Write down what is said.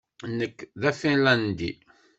Nekk d Afinlandi